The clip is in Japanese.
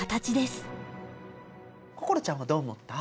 心ちゃんはどう思った？